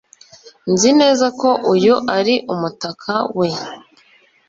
Nzi neza ko uyu ari umutaka we